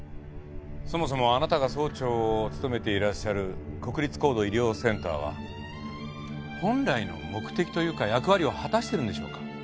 そもそもあなたが総長を務めていらっしゃる国立高度医療センターは本来の目的というか役割を果たしてるんでしょうか？